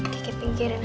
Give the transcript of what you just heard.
kakek tinggirin aja